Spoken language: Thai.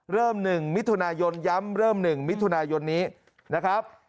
เริ่มหนึ่งมิถุนายนย้ำเริ่มหนึ่งมิถุนายนนี้นะครับ